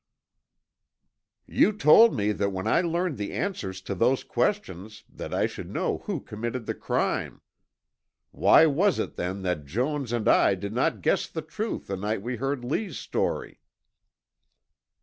"You told me that when I learned the answers to those questions that I should know who committed the crime. Why was it then that Jones and I did not guess the truth the night we heard Lee's story?"